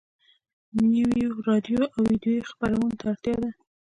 نويو راډيويي او ويډيويي خپرونو ته اړتيا ده.